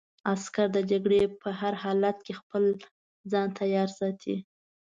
عسکر د جګړې په هر حالت کې خپل ځان تیار ساتي.